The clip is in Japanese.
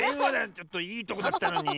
ちょっといいとこだったのに。